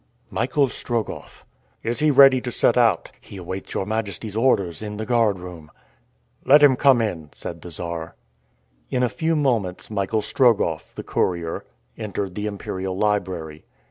"Michael Strogoff." "Is he ready to set out?" "He awaits your majesty's orders in the guard room." "Let him come in," said the Czar. In a few moments Michael Strogoff, the courier, entered the imperial library.